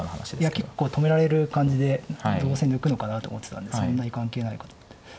結構止められる感じでどうせ抜くのかなと思ってたんでそんなに関係ないかと思って。